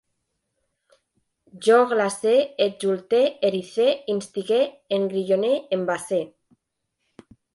Jo glace, exulte, erice, instigue, engrillone, embasse